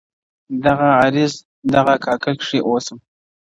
دغه عارض دغه کاکل کښې اوسم